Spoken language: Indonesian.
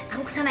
aku kesana ya